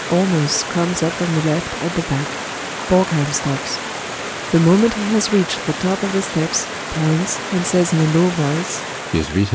ALLMERS comes up from the left at the back. BORGHEIM stops.] ALLMERS. [The moment he has reached the top of the steps, points, and says in a low voice.